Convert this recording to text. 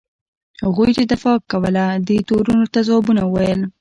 هغوی چې دفاع کوله دې تورونو ته ځوابونه وویل.